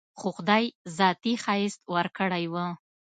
خو خداى ذاتي ښايست وركړى و.